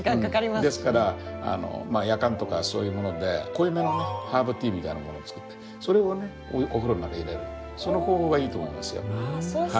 ですからやかんとかそういうもので濃いめのねハーブティーみたいなものを作ってそれをねお風呂の中に入れるその方法がいいと思いますよ。